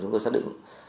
đã về cái địa điểm